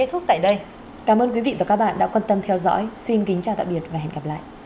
hãy đăng ký kênh để ủng hộ kênh của mình nhé